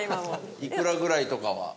いくらぐらいとかは。